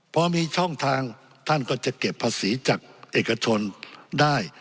พอมีช่องทางท่านก็จะเก็บภาษีจากเอกชนได้